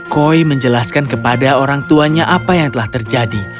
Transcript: koi menjelaskan kepada orang tuanya apa yang telah terjadi